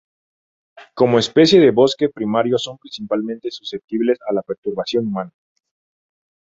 Como especie de bosque primario son principalmente susceptibles a la perturbación humana.